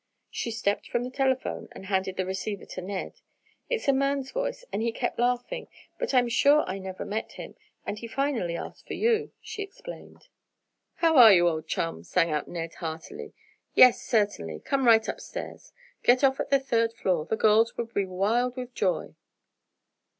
She stepped from the telephone and handed the receiver to Ned: "It's a man's voice and he kept laughing, but I'm sure I never met him, and he finally asked for you," she explained. "How are you, old chum?" sang out Ned, heartily. "Yes, certainly, come right upstairs. Get off at the third floor. The girls will be wild with joy!"